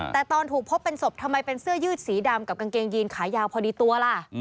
แต่ตอนถูกพบเป็นศพทำไมเป็นเสื้อยืดสีดำกับกางเกงยีนขายาวพอดีตัวล่ะ